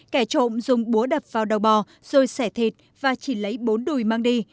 kẻ trộm dùng búa đập vào đầu bò rồi sẻ thịt và chỉ lấy bốn đùi mang đi